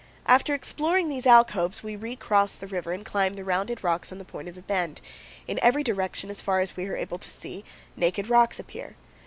After exploring these alcoves, we recross the river and climb the rounded rocks on the point of the bend. In every direction, as far as we are able to see, naked rocks appear.